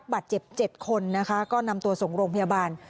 บนรถบัสได้รับบัตรเจ็บ๗คนก็นำตัวส่งโรงพยาบาล